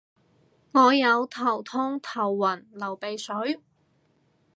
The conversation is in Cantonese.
我有頭痛頭暈流鼻水